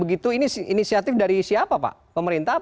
ini inisiatif dari siapa pak pemerintah